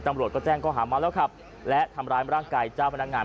ตำรวจก็แจ้งข้อหาเมาแล้วขับและทำร้ายร่างกายเจ้าพนักงาน